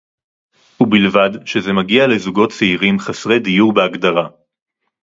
ובלבד שזה מגיע לזוגות צעירים חסרי דיור בהגדרה